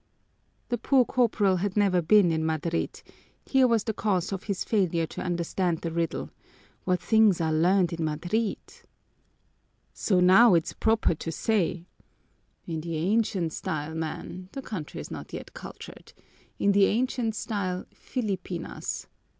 The poor corporal had never been in Madrid here was the cause of his failure to understand the riddle: what things are learned in Madrid! "So now it's proper to say " "In the ancient style, man! This country's not yet cultured! In the ancient style, _Filipinas!